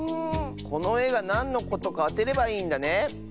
このえがなんのことかあてればいいんだね？